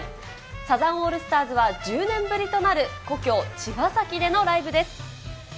サザンオールスターズは１０年ぶりとなる故郷、茅ヶ崎でのライブです。